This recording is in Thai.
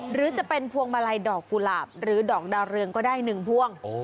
หรือจะเป็นพวงมาลัยดอกกุหลาบหรือดอกดาวเรืองก็ได้๑พวง